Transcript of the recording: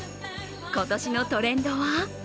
今年のトレンドは？